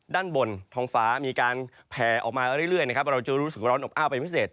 ด้านบนท้องฟ้ามีการแผ่ออกมาเรื่อยนะครับเราจะรู้สึกร้อนอบอ้าวเป็นพิเศษ